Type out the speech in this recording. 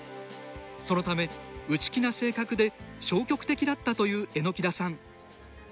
そのため、内気な性格で消極的だったという榎田さん。